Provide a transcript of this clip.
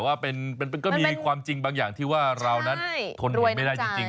แต่ว่าก็มีความจริงบางอย่างที่ว่าเรานั้นทนหนไม่ได้จริง